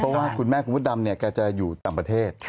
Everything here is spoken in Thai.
เพราะว่าคุณแม่คุณมดดำเนี่ยแกจะอยู่ต่างประเทศ